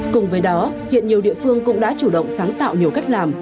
cùng với đó hiện nhiều địa phương cũng đã chủ động sáng tạo nhiều cách làm